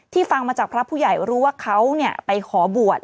ฟังมาจากพระผู้ใหญ่รู้ว่าเขาไปขอบวช